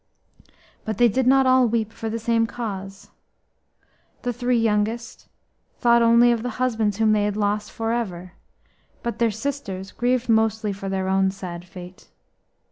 But they did not all weep for the same cause. The three youngest thought only of the husbands whom they had lost for ever, but their sisters grieved mostly for their own sad fate.